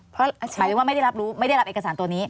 เพราะหมายถึงว่าไม่ได้รับรู้ไม่ได้รับเอกสารตัวนี้